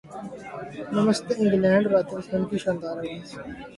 نمستے England اور عاطف اسلم کی شاندار اواز